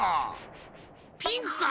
ピンクか？